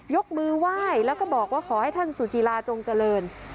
ยกมือไหว้แล้วก็บอกว่าขอให้ท่านสุจิลาจงเจริญ